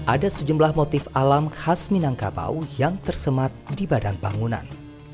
ada sejumlah motif alam khas minangkabau yang tersemat di badan bangunan